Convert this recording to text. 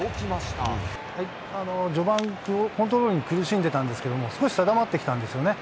序盤、コントロールに苦しんでたんですけれども、少し定まってきたんですよね。